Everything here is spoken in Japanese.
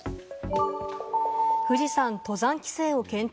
富士山、登山規制を検討。